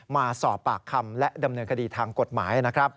มาสอบปากคำและดำเนินคดีทางกฎหมายนะครับ